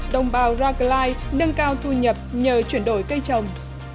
đồng bào rackline nâng cao thu nhập nhờ chuyển đổi cây trồng